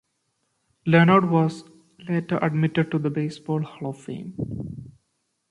Leonard was later admitted to the Baseball Hall of Fame.